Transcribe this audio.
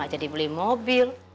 gak jadi beli mobil